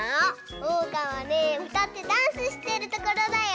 おうかはねうたってダンスしてるところだよ。